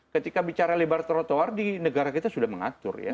ketika bicara lebar terotoar di negara kita sudah menang